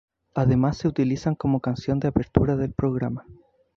Además se utilizan como canción de apertura del programa.